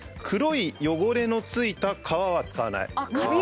黒い汚れのついた皮は使わない。